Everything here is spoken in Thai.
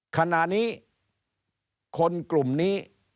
ขณะนี้คนกลุ่มนี้